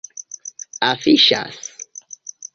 afiŝas